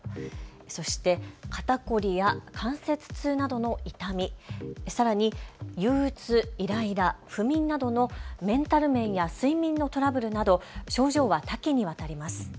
そして肩こりや関節痛などの痛み、さらに憂うつ、イライラ、不眠などのメンタル面や睡眠のトラブルなど症状は多岐にわたります。